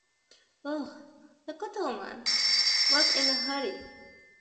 Oh, the good woman was in a hurry!